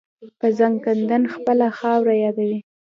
په ځانکدن خپله خاوره یادوي.